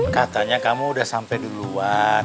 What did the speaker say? katanya kamu udah sampai duluan